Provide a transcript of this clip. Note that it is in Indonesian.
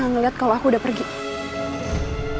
saya sudah bernatis bahwa kau pihak biru baru lagi put veggie ya